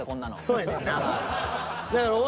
そうやねんな。